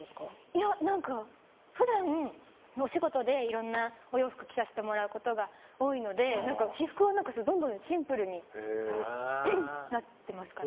いや、普段のお仕事でいろんなお洋服を着させてもらうことが多いので私服はどんどんシンプルになってますかね。